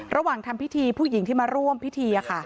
ระหว่างทำพิธีผู้หญิงที่มาร่วมพิธี